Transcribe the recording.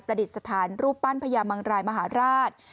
ดิษฐานรูปปั้นพญามังรายมหาราช